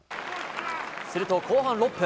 すると後半６分。